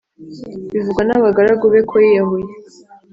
bivugwa n abagaragu be koyiyahuye